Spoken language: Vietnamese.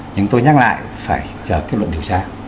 nhưng tôi nhắc lại phải chờ kết luận điều tra